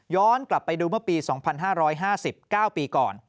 กลับไปดูเมื่อปี๒๕๕๙ปีก่อน